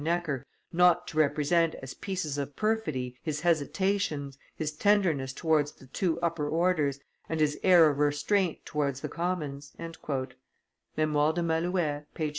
Necker not to represent as pieces of perfidy his hesitations, his tenderness towards the two upper orders, and his air of restraint towards the commons" [Memoires de Malouet, t.